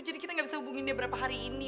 jadi kita gak bisa hubungin dia berapa hari ini